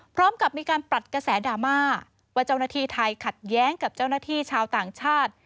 พร้อมกับมีการปรัดกระแสดราม่าว่าเจ้าหน้าที่ไทยขัดแย้งกับเจ้าหน้าที่ชาวต่างชาติ